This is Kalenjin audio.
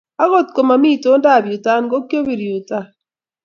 akot koma mii itondab yu-turn, kokiobir yu-turn